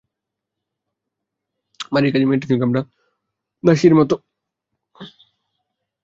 বাড়ির কাজের মেয়েটির সঙ্গে আমরা দাসীর মতো মধ্যযুগীয় কায়দায় আচরণ করি।